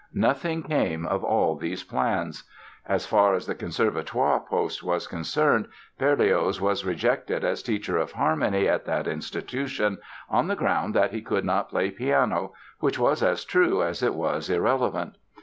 Nothing came of all these plans. As far as the Conservatoire post was concerned Berlioz was rejected as teacher of harmony at that institution on the ground that he could not play piano—which was as true as it was irrelevant.